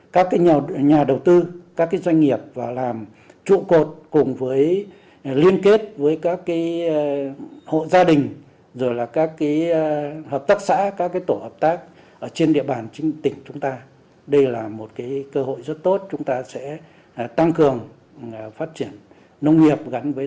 chúng ta sẽ tăng cường phát triển nông nghiệp gắn với tái cấu trúc trong ngành nông nghiệp